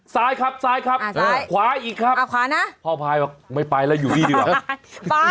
ซ้ายครับซ้ายครับขวาอีกครับขวานะพ่อพายบอกไม่ไปแล้วอยู่นี่ดีกว่าครับ